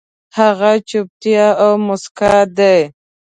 هغه چوپتيا او موسکا دي